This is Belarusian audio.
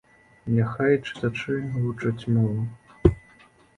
Няхай чытачы вучаць мову.